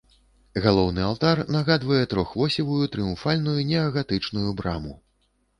Галоўны алтар нагадвае трохвосевую трыумфальную неагатычную браму.